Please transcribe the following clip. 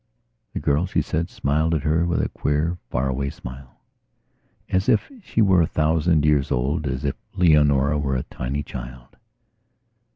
The girl, she said, smiled at her with a queer, far away smileas if she were a thousand years old, as if Leonora were a tiny child.